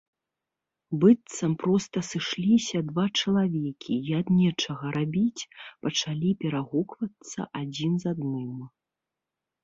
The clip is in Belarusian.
Быццам проста сышліся два чалавекі і, ад нечага рабіць, пачалі перагуквацца адзін з адным.